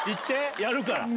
やるから。